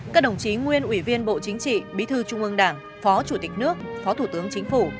các đồng chí nguyên ủy viên bộ chính trị bí thư trung ương đảng phó chủ tịch nước phó thủ tướng chính phủ